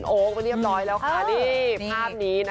แล้วก็ไม่เรียบร้อยแล้วค่ะที่ภาพนี้นะคะ